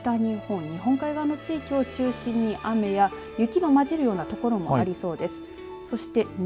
また北日本日本海側の地域を中心に雨や雪がまじるような所もありそうです。